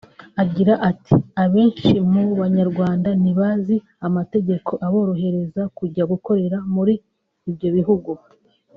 Agira ati "Abenshi mu Banyarwanda ntibazi amategeko aborohereza kujya gukorera muri ibyo bihugu